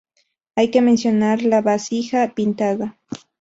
Hay que mencionar la vasija pintada.